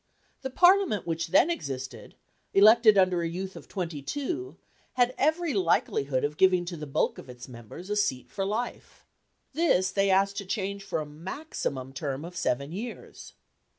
The Parliament which then existed, elected under a youth of twenty two, had every likelihood of giving to the bulk of its members a seat for life. This they asked to change for a maximum term of seven years.